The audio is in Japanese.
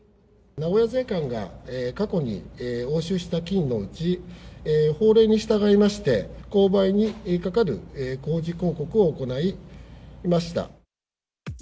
名古屋税関が過去に押収した金のうち、法令に従いまして、公売にかかる公示広告を行いました。